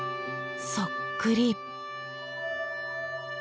そっくり。